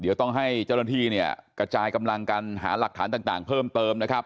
เดี๋ยวต้องให้เจ้าหน้าที่เนี่ยกระจายกำลังกันหาหลักฐานต่างเพิ่มเติมนะครับ